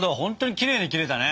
きれいに切れたね。